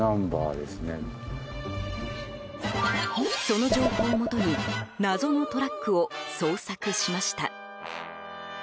その情報をもとに謎のトラックを捜索しました。